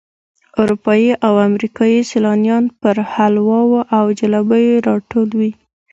اروپایي او امریکایي سیلانیان پر حلواو او جلبیو راټول وي.